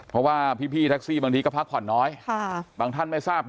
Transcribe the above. เพราะว่าพี่แท็กซี่บางทีก็พักผ่อนน้อยบางท่านไม่ทราบ